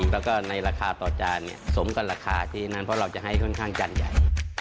แล้วก็ในราคาต่อจานเนี่ยสมกับราคาที่นั่นเพราะเราจะให้ค่อนข้างจานใหญ่